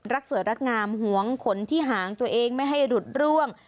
สวยรักงามหวงขนที่หางตัวเองไม่ให้หลุดร่วง